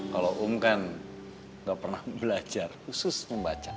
kalau um kan gak pernah belajar khusus membaca